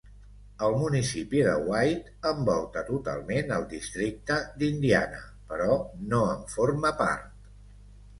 El municipi de White envolta totalment el districte d'Indiana, però no en forma part.